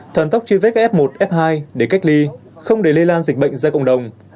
thần tốc truy vết f một f hai để cách ly không để lây lan dịch bệnh ra cộng đồng